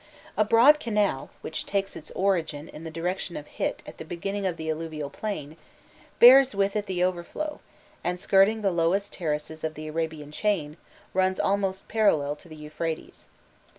A broad canal, which takes its origin in the direction of Hit at the beginning of the alluvial plain, bears with it the overflow, and, skirting the lowest terraces of the Arabian chain, runs almost parallel to the Euphrates.